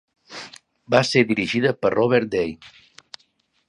Va ser dirigida per Robert Day.